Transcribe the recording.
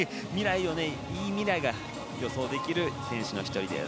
いい未来が予想できる選手の１人です。